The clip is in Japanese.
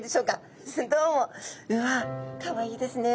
うわっかわいいですね。